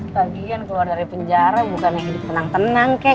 tadi kan keluar dari penjara bukan lagi dipenang penang kek